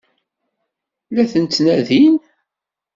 La ten-ttnadin?